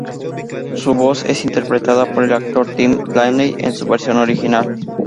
Su voz es interpretada por el actor Tim Blaney en su versión original.